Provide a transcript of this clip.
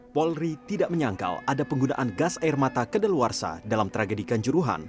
polri tidak menyangkal ada penggunaan gas air mata kedaluarsa dalam tragedi kanjuruhan